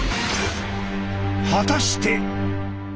果たして。